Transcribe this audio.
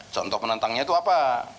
contoh menentangnya itu apa